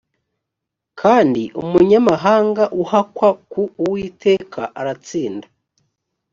kandi umunyamahanga uhakwa ku uwiteka aratsinda